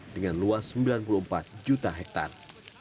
dengan luas sembilan puluh empat juta hektare